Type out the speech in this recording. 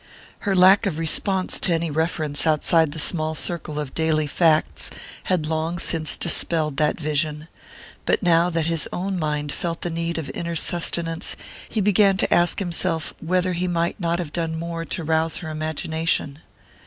Her lack of response to any reference outside the small circle of daily facts had long since dispelled that vision; but now that his own mind felt the need of inner sustenance he began to ask himself whether he might not have done more to rouse her imagination.